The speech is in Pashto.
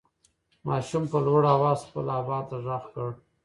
ماشوم په لوړ اواز خپل ابا ته غږ کړ.